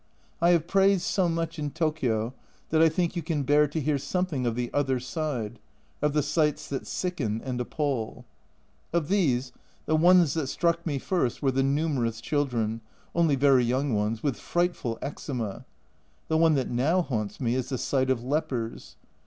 I have praised so much in Tokio that I think you can bear to hear something of the other side, of the sights that sicken and appal. Of these, the ones that struck me first were the numerous children (only very young ones) with frightful eczema ; the one that now haunts me is the sight of lepers.